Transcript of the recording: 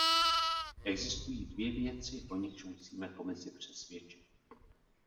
Existují dvě věci, o nichž musíme Komisi přesvědčit.